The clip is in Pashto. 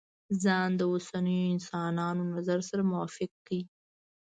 ځان د اوسنيو انسانانو نظر سره موافق کړي.